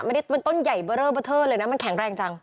ไม่ได้เป็นต้นใหญ่เบอร์เลอร์เบอร์เทอร์เลยนะมันแข็งแรงจัง